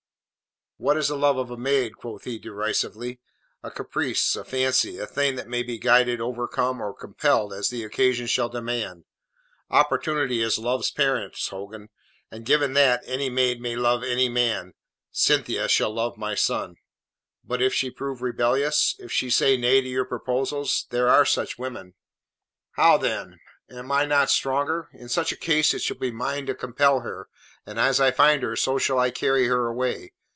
"What is the love of a maid?" quoth he derisively. "A caprice, a fancy, a thing that may be guided, overcome or compelled as the occasion shall demand. Opportunity is love's parent, Hogan, and given that, any maid may love any man. Cynthia shall love my son." "But if she prove rebellious? If she say nay to your proposals? There are such women." "How then? Am I not the stronger? In such a case it shall be mine to compel her, and as I find her, so shall I carry her away.